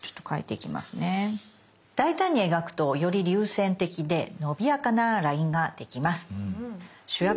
大胆に描くとより流線的でのびやかなラインができます。